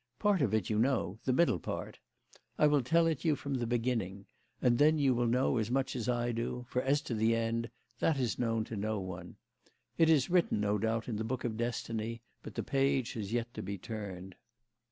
Part of it you know the middle part. I will tell it you from the beginning, and then you will know as much as I do; for, as to the end, that is known to no one. It is written, no doubt, in the book of destiny, but the page has yet to be turned.